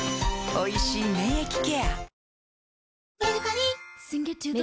おいしい免疫ケア